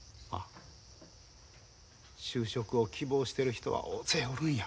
就職を希望してる人は大勢おるんや。